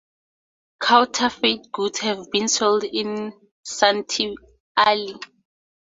Counterfeit goods have been sold in Santee Alley.